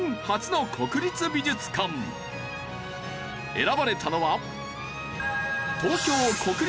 選ばれたのは。